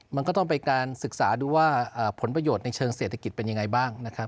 มันก็ต้องไปการศึกษาดูว่าผลประโยชน์ในเชิงเศรษฐกิจเป็นยังไงบ้างนะครับ